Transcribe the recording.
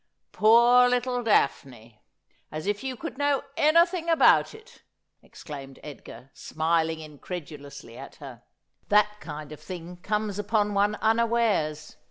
' Poor little Daphne ! as if you could know anything about it,' exclaimed Edgar, smiling incredulously at her. ' That kind of thing comes upon one unawares.